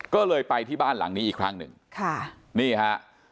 ก็เลยไปที่บ้านหลังนี้อีกครั้งหนึ่งค่ะนี่ฮะ